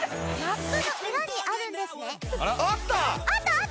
あった？